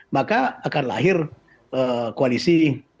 maka akan lahir koalisi